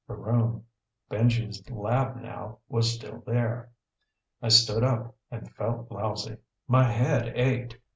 The room, Benji's lab now, was still there. I stood up and felt lousy. My head ached.